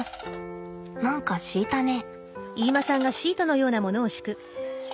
何か敷いたね。